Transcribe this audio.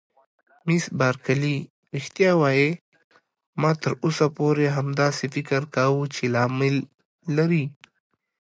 مس بارکلي: رښتیا وایې؟ ما تر اوسه پورې همداسې فکر کاوه چې لامل لري.